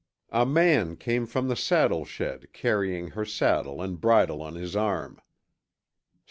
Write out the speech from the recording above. A man came from the saddle shed carrying her saddle and bridle on his arm.